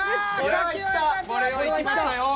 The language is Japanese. これはいきましたよ。